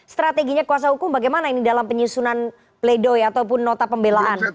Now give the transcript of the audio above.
strateginya kuasa hukum bagaimana ini dalam penyusunan pledoi ataupun nota pembelaan